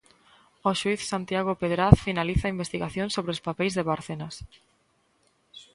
O xuíz Santiago Pedraz finaliza a investigación sobre os papeis de Bárcenas.